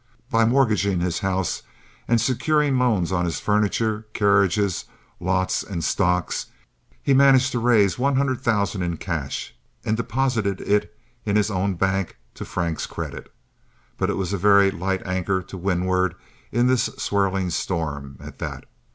By mortgaging his house and securing loans on his furniture, carriages, lots, and stocks, he managed to raise one hundred thousand in cash, and deposited it in his own bank to Frank's credit; but it was a very light anchor to windward in this swirling storm, at that.